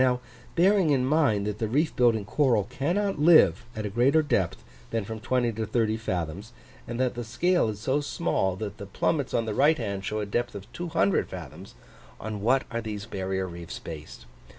Now, bearing in mind that reef building coral cannot live at a greater depth than from 20 to 30 fathoms, and that the scale is so small that the plummets on the right hand show a depth of 200 fathoms, on what are these barrier reefs based?